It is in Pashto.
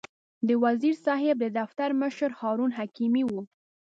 د وزیر صاحب د دفتر مشر هارون حکیمي و.